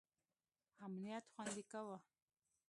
امنیت خوندي کاوه.